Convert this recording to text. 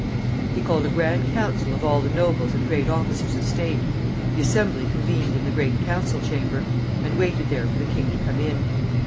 He called a grand council of all the nobles and great officers of state. The assembly convened in the great council chamber, and waited there for the king to come in.